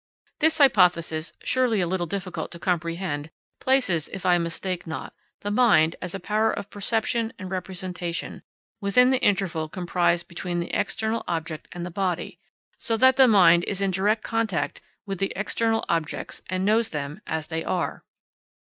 This hypothesis, surely a little difficult to comprehend, places, if I mistake not, the mind, as a power of perception and representation, within the interval comprised between the external object and the body, so that the mind is in direct contact with external objects and knows them as they are.